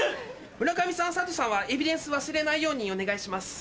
村上さん里さんはエビデンス忘れないようにお願いします。